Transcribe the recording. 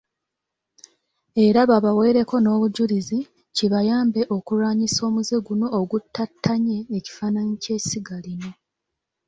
Era babaweereko n'obujulizi, kibayambe okulwanyisa omuze guno oguttattanye ekifaananyi ky'essiga lino.